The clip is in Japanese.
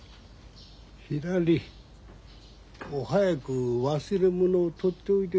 ひらり早く忘れ物を取っておいで。